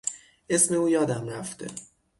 اسم او یادم رفته.